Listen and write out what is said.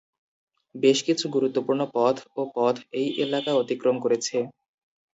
বেশ কিছু গুরুত্বপূর্ণ পথ ও পথ এই এলাকা অতিক্রম করেছে।